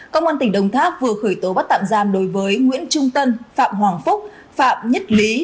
công an tỉnh đồng tháp vừa khởi tố bắt tạm giam đối với nguyễn trung tân phạm hoàng phúc phạm nhất lý